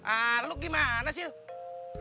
ah lu gimana sih